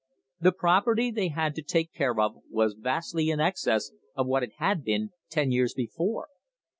The property they had to take care of was vastly in excess of what it had been ten years before.